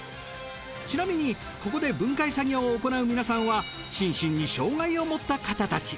ちなみにここで分解作業を行う皆さんは心身に障害を持った方たち。